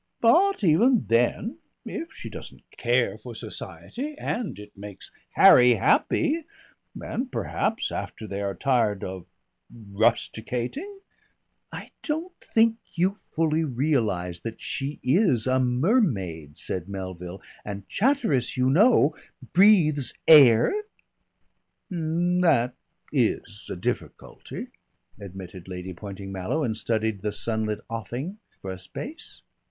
"But even then if she doesn't care for society and it makes Harry happy and perhaps after they are tired of rusticating " "I don't think you fully realise that she is a mermaid," said Melville; "and Chatteris, you know, breathes air." "That is a difficulty," admitted Lady Poynting Mallow, and studied the sunlit offing for a space.